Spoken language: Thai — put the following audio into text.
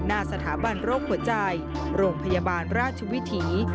หน้าสถาบันโรคหัวใจโรงพยาบาลราชวิถี